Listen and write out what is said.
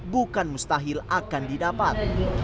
bukan mustahil akan didapat